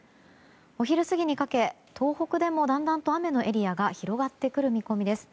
お昼過ぎにかけ、東北でもだんだんと雨のエリアが広がってくる見込みです。